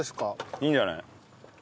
いいんじゃない？